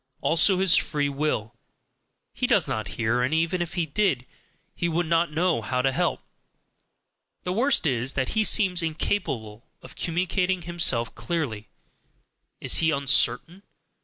Also his "free will": he does not hear and even if he did, he would not know how to help. The worst is that he seems incapable of communicating himself clearly; is he uncertain?